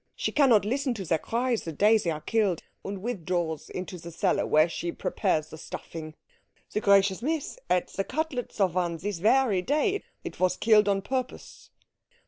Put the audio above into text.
She cannot listen to their cries the day they are killed, and withdraws into the cellar, where she prepares the stuffing. The gracious Miss ate the cutlets of one this very day. It was killed on purpose."